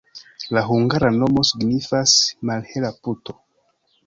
La hungara nomo signifas: malhela puto.